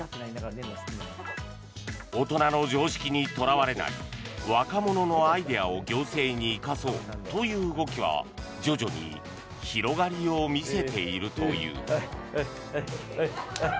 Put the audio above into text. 大人の常識にとらわれない若者のアイデアを行政に生かそうという動きは徐々に広がりを見せているという。